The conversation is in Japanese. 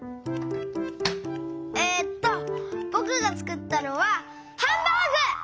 えっとぼくがつくったのはハンバーグ！